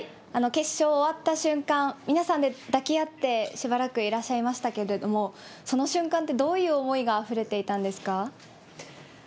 決勝終わった瞬間、皆さんで抱き合って、しばらくいらっしゃいましたけれども、その瞬間って、どういう思いがあふれていたんですか？